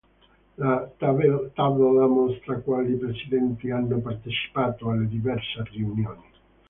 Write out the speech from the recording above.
La tabella mostra quali presidenti hanno partecipato alle diverse riunioni.